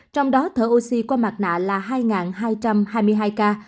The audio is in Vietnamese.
trong đó thở oxy qua mặt nạ là hai hai trăm hai mươi hai ca